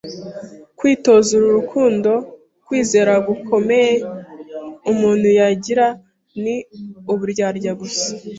kwitoza uru rukundo, kwizera gukomeye umuntu yagira ni uburyarya gusa